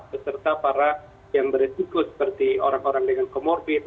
beserta para yang beresiko seperti orang orang dengan comorbid